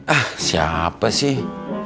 ah siapa sih